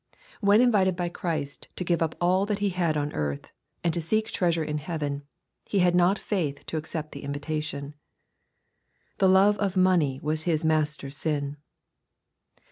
When invited by Christ, to give up all that he had on earth, and seek treasure in heaven, he had not faith to accept the invitation. The love of money was his master sin.